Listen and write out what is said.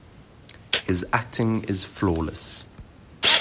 His acting is flawless.